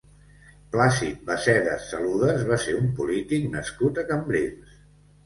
Plàcid Bassedes Saludes va ser un polític nascut a Cambrils.